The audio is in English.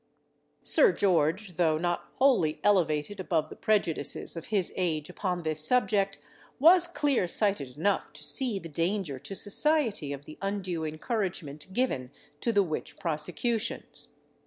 Sir George, though not wholly elevated above the prejudices of his age upon this subject, was clear sighted enough to see the danger to society of the undue encouragement given to the witch prosecutions.